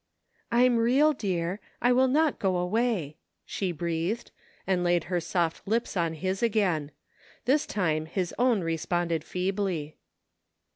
" I'm real, dear. I will not go away," she breathed, and laid her soft lips on his again. This time his own responded feebly.